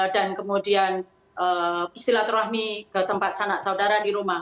dan kemudian istilatul rahmi ke tempat sanak saudara di rumah